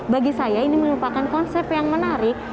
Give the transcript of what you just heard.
bagi saya ini merupakan konsep yang menarik